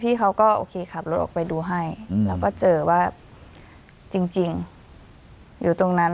เขาก็โอเคขับรถออกไปดูให้แล้วก็เจอว่าจริงอยู่ตรงนั้น